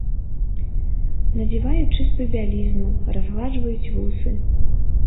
Надзяваюць чыстую бялізну, разгладжваюць вусы.